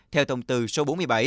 theo thông tư số bốn mươi bảy